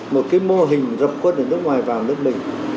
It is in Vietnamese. một cái mô hình dập khuôn ở nước ngoài và nước mình